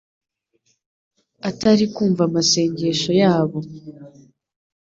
atari kumva amasengesho yabo